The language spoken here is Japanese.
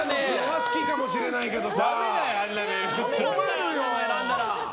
好きかもしれないけどさ。